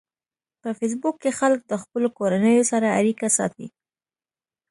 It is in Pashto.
په فېسبوک کې خلک د خپلو کورنیو سره اړیکه ساتي